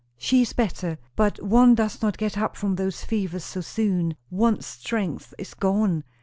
"She is better. But one does not get up from those fevers so soon. One's strength is gone.